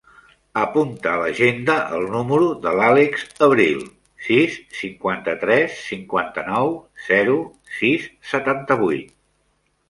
Apunta a l'agenda el número de l'Àlex Abril: sis, cinquanta-tres, cinquanta-nou, zero, sis, setanta-vuit.